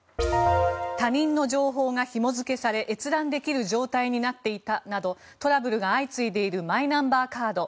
他人の情報がひも付けされ閲覧できる状態になっていたなどトラブルが相次いでいるマイナンバーカード。